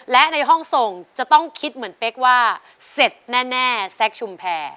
และในห้องส่งจะต้องคิดเหมือนเป๊กว่าเสร็จแน่แซคชุมแพร